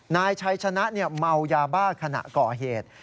นายชัยชนะเมายาบ้าขณะก่อเหตุ